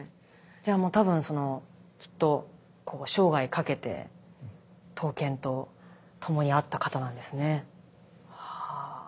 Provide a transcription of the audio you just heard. じゃあもうたぶんそのきっとこう生涯かけて刀剣とともにあった方なんですね。